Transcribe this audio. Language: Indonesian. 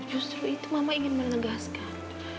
justru itu mama ingin menegaskan